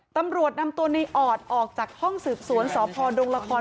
ตำรวจนำตัวในออดออกจากห้องสืบสวนสพดงละคร